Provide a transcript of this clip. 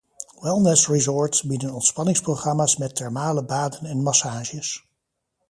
Wellnessresorts bieden ontspanningsprogramma’s met thermale baden en massages.